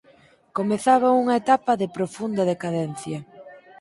Comezaba unha etapa de profunda decadencia.